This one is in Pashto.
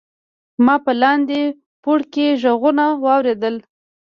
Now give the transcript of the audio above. ما په لاندې پوړ کې غږونه واوریدل.